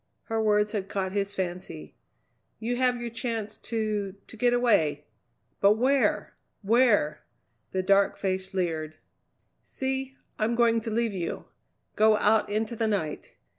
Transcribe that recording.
Her words had caught his fancy. "You have your chance to to get away! But where? Where?" The dark face leered. "See! I'm going to leave you. Go out into the night.